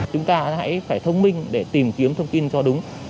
chúng ta hãy phải thông minh để tìm kiếm thông tin cho đúng